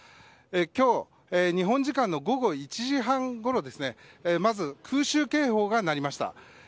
今日、日本時間の午後１時半ごろまず空襲警報が鳴りました。